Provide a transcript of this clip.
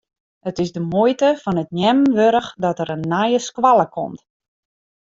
It is de muoite fan it neamen wurdich dat der in nije skoalle komt.